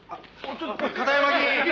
「片山議員！